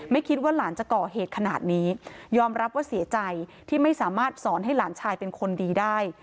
คิดว่าหลานจะก่อเหตุขนาดนี้ยอมรับว่าเสียใจที่ไม่สามารถสอนให้หลานชายเป็นคนดีได้